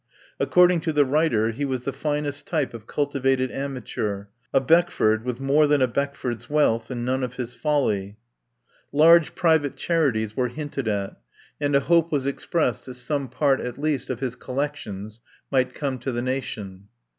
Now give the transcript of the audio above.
According to the writer, he was the finest type of cultivated amateur, a Beckford with more than a Beck ford's wealth and none of his folly. Large 209 THE POWER HOUSE private charities were hinted at, and a hope was expressed that some part at least of his collections might come to the nation.